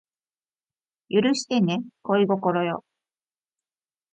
許してね恋心よ